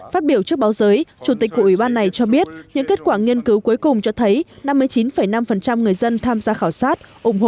phát biểu trước báo giới chủ tịch của ủy ban này cho biết những kết quả nghiên cứu cuối cùng cho thấy năm mươi chín năm người dân tham gia khảo sát